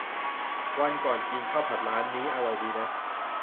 วันก่อนกินข้าวผัดร้านนี้ อร่อยดีนะ